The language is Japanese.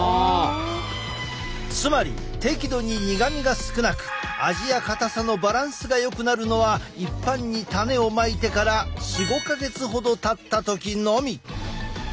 つまり適度に苦みが少なく味やかたさのバランスがよくなるのは一般に種をまいてから４５か月ほどたった時のみ。